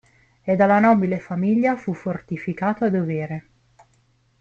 E dalla nobile famiglia fu fortificato a dovere.